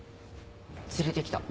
連れてきた。